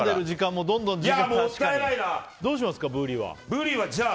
ブリはじゃあ。